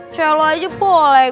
coba lo aja boleh gue minta tebeng